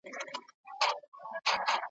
ګوندي خدای مو سي پر مېنه مهربانه `